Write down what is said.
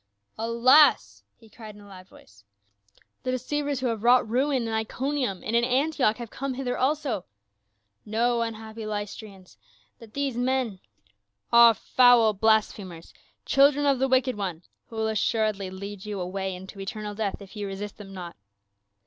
"Alas!" he cried in a loud voice, "the deceivers who have wrought ruin in Iconium and in Antioch have come hither also ! Know, unhappy Lystrians, that these men are foul blasphemers, children of the wicked one, who will assuredly lead you away into eternal death, if ye resist them not